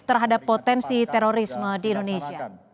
terhadap potensi terorisme di indonesia